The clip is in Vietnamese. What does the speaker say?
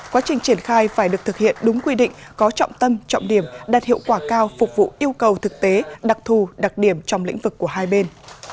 quá trình triển khai phải được thực hiện đúng quy định có trọng tâm trọng điểm đạt hiệu quả cao phục vụ yêu cầu thực tế đặc thù đặc điểm trong lĩnh vực của hai bên